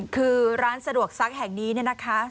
คือร้านสะดวกซักแห่งนี้เนี่ยนะคะ